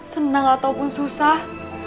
senang ataupun susah